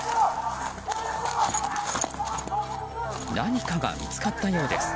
何かが見つかったようです。